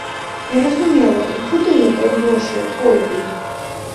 Незразумела, і куды гэтыя грошы пойдуць.